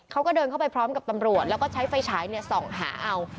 เขาก็เดินเข้าไปพร้อมกับตำรวจแล้วก็ใช้ไฟฉายส่องหาเอา